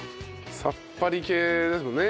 さっぱり系ですよね。